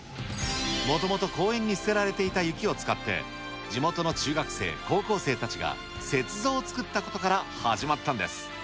もともと公園に捨てられていた雪を使って、地元の中学生、高校生たちが、雪像を作ったことから始まったんです。